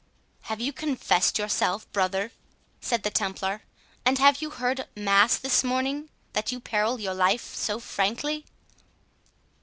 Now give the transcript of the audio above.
"Have you confessed yourself, brother," said the Templar, "and have you heard mass this morning, that you peril your life so frankly?"